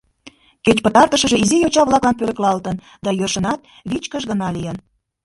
Кеч пытартышыже изи йоча-влаклан пӧлеклалтын да йӧршынат вичкыж гына лийын.